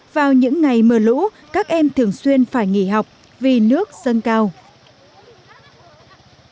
vào những ngày mưa lũ các em thường xuyên phải nghỉ học vì nước dâng cao